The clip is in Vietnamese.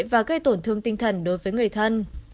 và gây tổn thương tinh thần đối với người thân